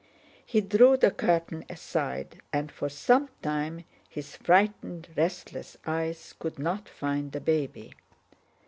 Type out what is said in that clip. He drew the curtain aside and for some time his frightened, restless eyes could not find the baby.